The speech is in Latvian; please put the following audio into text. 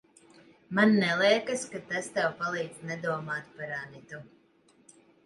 Man neliekas, ka tas tev palīdz nedomāt par Anitu.